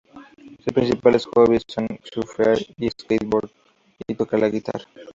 Sus principales hobbies son surfear, el skateboard y tocar la guitarra.